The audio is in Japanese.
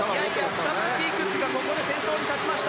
スタブルティ・クックがここで先頭に立ちました。